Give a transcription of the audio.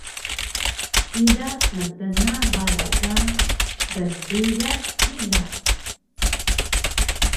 ida mtna balay ka bnrigan pila